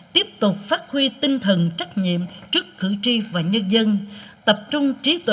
tiếp tục phát huy tinh thần trách nhiệm trước cử tri và nhân dân